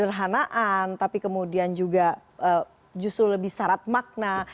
penuh dengan kezadarhanaan tapi kemudian juga eee justru lebih syarat makna